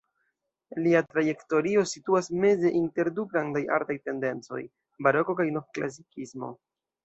Lia trajektorio situas meze inter du grandaj artaj tendencoj: baroko kaj novklasikismo.